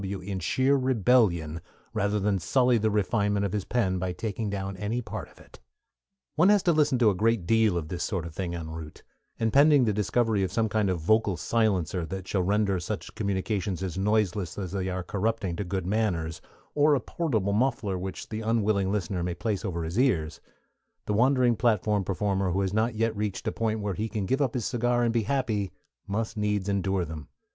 W. in sheer rebellion, rather than sully the refinement of his pen by taking down any part of it. One has to listen to a great deal of this sort of thing en route, and pending the discovery of some kind of vocal silencer that shall render such communications as noiseless as they are corrupting to good manners, or a portable muffler which the unwilling listener may place over his ears, the wandering platform performer who has not yet reached a point where he can give up his cigar and be happy must needs endure them.